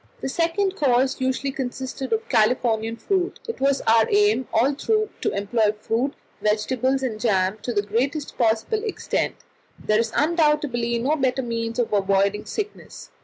The second course usually consisted of Californian fruit. It was our aim all through to employ fruit, vegetables, and jam, to the greatest possible extent; there is undoubtedly no better means of avoiding sickness.